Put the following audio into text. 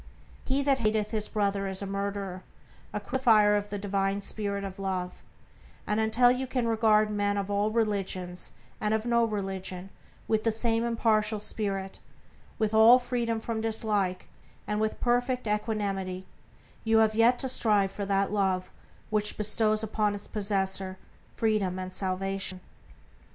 "He that hateth his brother is a murderer," a crucifier of the divine Spirit of Love; and until you can regard men of all religions and of no religion with the same impartial spirit, with all freedom from dislike, and with perfect equanimity, you have yet to strive for that Love which bestows upon its possessor freedom and salvation.